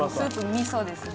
みそですね